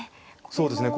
そうですね。